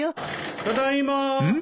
・ただいまー。